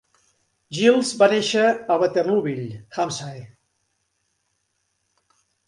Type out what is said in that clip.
Giles va néixer a Waterlooville, Hampshire.